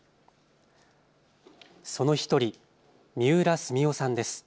その１人、三浦澄夫さんです。